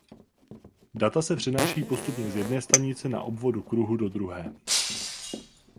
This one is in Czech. Data se přenášejí postupně z jedné stanice na obvodu kruhu do druhé.